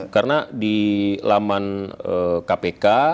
karena di laman kpk